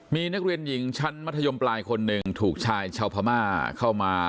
มีนักเรียนหญิงชั้นมัธยมปลายคนหนึ่งถูกชายชาวพม่าเข้ามา